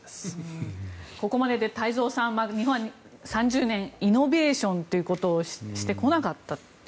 ここまでで太蔵さん日本は３０年イノベーションということをしてこなかったという。